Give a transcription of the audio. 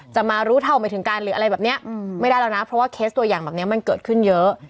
มารู้เท่าไม่ถึงการหรืออะไรแบบนี้ไม่ได้แล้วนะเพราะว่าเคสตัวอย่างแบบนี้มันเกิดขึ้นเยอะ